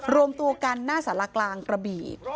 รวมตัวกันหน้าสารกลางกระบี่